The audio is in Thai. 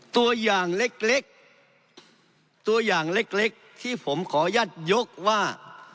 ตัวอย่างเล็กเล็กตัวอย่างเล็กเล็กที่ผมขอยัดยกว่า